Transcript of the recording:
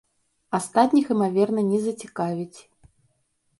Астатніх, імаверна, не зацікавіць.